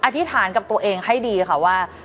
อธิษฐานกับตัวเองให้ดีค่ะว่า